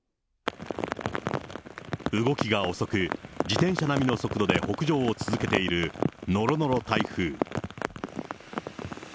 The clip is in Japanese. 動きが遅く、自転車並みの速度で北上を続けているのろのろ台風。